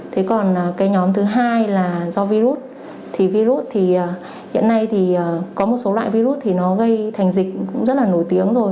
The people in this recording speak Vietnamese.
thế còn cái nhóm thứ hai là do virus thì virus thì hiện nay thì có một số loại virus thì nó gây thành dịch cũng rất là nổi tiếng rồi